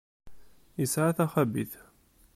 Isɛa taxabit.